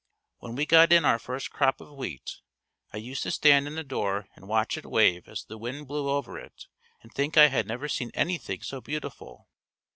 When we got in our first crop of wheat, I used to stand in the door and watch it wave as the wind blew over it and think I had never seen anything so beautiful.